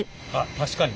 確かに。